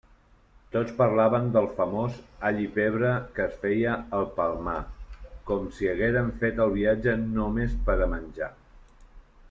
Tots parlaven del famós allipebre que es feia al Palmar, com si hagueren fet el viatge només per a menjar.